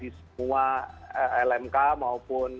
dari teman teman saya di semua lmk maupun